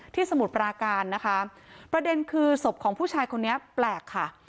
สมุทรปราการนะคะประเด็นคือศพของผู้ชายคนนี้แปลกค่ะ